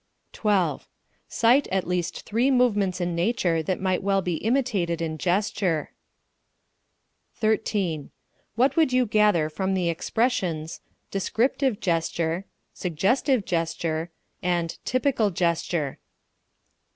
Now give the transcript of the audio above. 12. Cite at least three movements in nature that might well be imitated in gesture. 13. What would you gather from the expressions: descriptive gesture, suggestive gesture, and typical gesture?